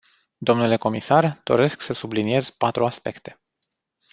Dle comisar, doresc să subliniez patru aspecte.